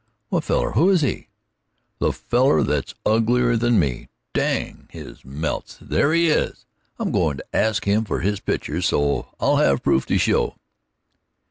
"What feller? Who is he?" "The feller that's uglier than me. Dang his melts, there he is! I'm going to ask him for his picture, so I'll have the proof to show."